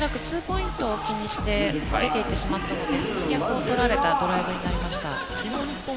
ツーポイントを気にして出て行ってしまったのでその逆を取られてしまったドライブになりました。